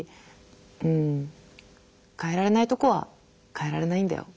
うん変えられないとこは変えられないんだよ。